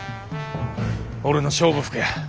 俺の勝負服や。